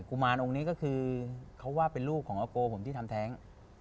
ุมารองค์นี้ก็คือเขาว่าเป็นลูกของอาโกผมที่ทำแท้ง